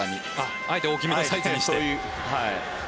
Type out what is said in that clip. あえて大きめのサイズにして。